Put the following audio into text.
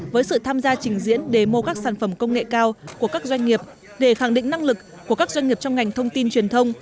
với sự tham gia trình diễn để mua các sản phẩm công nghệ cao của các doanh nghiệp để khẳng định năng lực của các doanh nghiệp trong ngành thông tin truyền thông